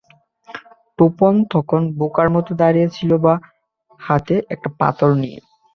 টোপন তখন বোকার মতো দাঁড়িয়ে ছিল বাঁ হাতে একটা পাথর নিয়ে।